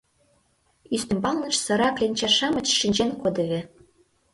— Ӱстембалнышт сыра кленча-шамыч шинчен кодеве.